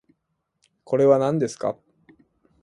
これはなんですか